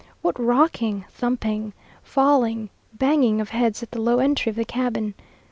What rocking, thumping, falling, banging of heads at the low entry of the cabin!